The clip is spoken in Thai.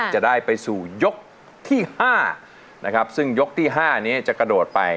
จะได้ไปสู่ยกที่๕นะครับซึ่งยกที่๕นี้จะกระโดดไป